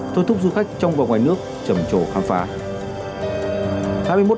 thôi thúc du khách trong và ngoài nước trầm trổ khám phá